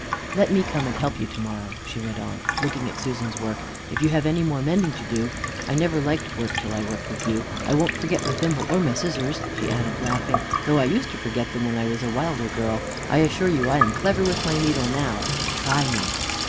Let me come and help you to morrow," she went on, looking at Susan's work, "if you have any more mending to do I never liked work till I worked with you. I won't forget my thimble or my scissors," she added, laughing "though I used to forget them when I was a wilder girl. I assure you I am clever with my needle now try me."